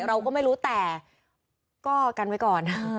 เราก็ไม่รู้แต่ก็กันไว้ก่อน